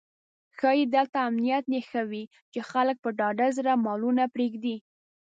ښایي دلته امنیت یې ښه وي چې خلک په ډاډه زړه مالونه پرېږدي.